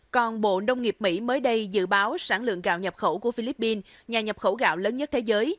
còn bộ nông nghiệp mỹ mới đây dự báo sản lượng gạo nhập khẩu của philippines nhà nhập khẩu gạo lớn nhất thế giới